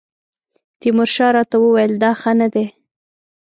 تیمورشاه راته وویل دا ښه نه دی.